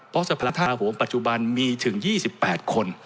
เพราะสภาโหมปัจจุบันมีถึง๒๘คน